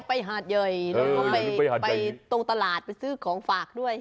ไปฮาดใหญ่ไปตรงตลาดไปซื้อของฝากด้วย